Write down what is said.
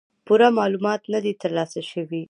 پوره معلومات نۀ دي تر لاسه شوي